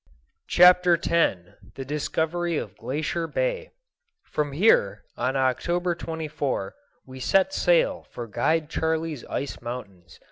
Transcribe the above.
Chapter X The Discovery of Glacier Bay From here, on October 24, we set sail for Guide Charley's ice mountains.